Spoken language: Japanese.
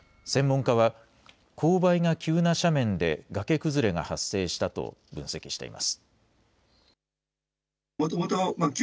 専門家は勾配が急な斜面で崖崩れが発生したと分析しています。